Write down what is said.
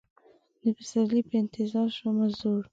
د پسرلي په انتظار شومه زوړ